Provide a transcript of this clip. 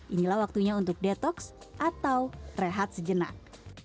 inilah waktunya untuk detox atau rehat sejenak